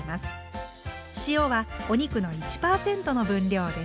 塩はお肉の１％の分量です。